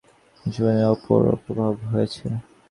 দশাশ্বমেধ ঘাটে অনেক ছেলের সঙ্গে অপুর ভাব হইয়াছে।